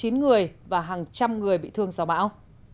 chín người và hàng trăm người bị thương do bão